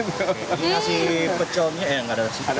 ini ngasih pecelnya ya nggak ada siapa juga